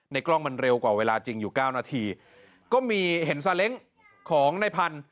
ในกล้องมันเร็วกว่าเวลาจริงอยู่๙นก็มีเห็นสาเล็งของนายพันธุ์